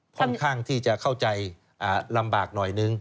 ค่อนข้างที่จะเข้าใจลำบากหน่อยนึง